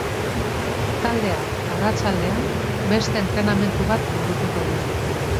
Taldeak arratsaldean beste entrenamendu bat burutuko du.